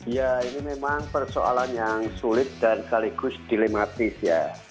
ya ini memang persoalan yang sulit dan sekaligus dilematis ya